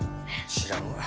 知らんわ。